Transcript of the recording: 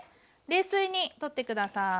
冷水にとって下さい。